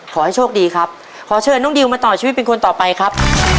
ขอให้โชคดีครับขอเชิญน้องดิวมาต่อชีวิตเป็นคนต่อไปครับ